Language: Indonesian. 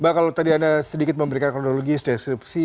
mbak kalau tadi anda sedikit memberikan kronologi dan deskripsi